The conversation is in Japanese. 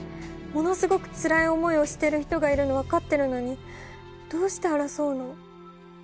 ものすごくつらい思いをしてる人がいるのを分かってるのにどうして争うの？